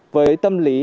với tâm lý